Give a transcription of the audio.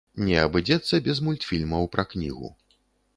Не абыдзецца без мультфільмаў пра кнігу.